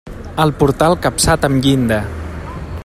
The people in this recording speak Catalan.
El portal capçat amb llinda.